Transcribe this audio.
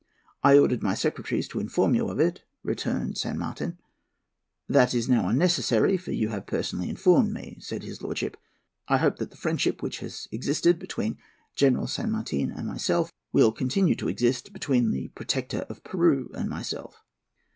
'I ordered my secretaries to inform you of it,' returned San Martin. 'That is now unnecessary, for you have personally informed me,' said his lordship: 'I hope that the friendship which has existed between General San Martin and myself will continue to exist between the Protector of Peru and myself.'